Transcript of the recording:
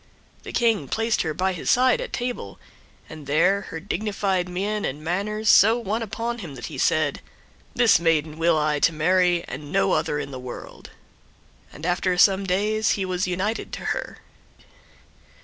The King placed her by his side at table, and there her dignified mien and manners so won upon him, that he said, "This maiden will I to marry, and no other in the world," and after some days he was united to her.